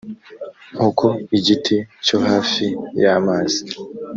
nk uko igiti cyo hafi y amazi